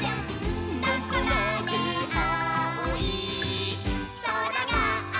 「どこまであおいそらがあるわぁっ！」